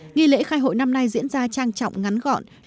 nghi lễ khai hội năm nay diễn ra trang trọng ngắn gọn